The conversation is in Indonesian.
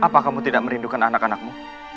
apa kamu tidak merindukan anak anakmu